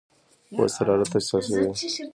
پوست حرارت احساسوي.